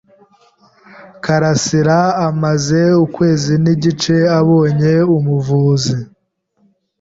Karasiraamaze ukwezi nigice abonye umuvuzi.